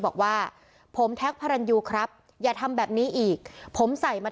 บอกว่าผมแท็กพระรันยูครับอย่าทำแบบนี้อีกผมใส่มา